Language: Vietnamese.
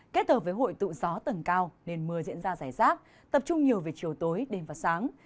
kết hợp với hội tụ gió tầng cao nên mưa diễn ra rải rác tập trung nhiều về chiều tối đêm và sáng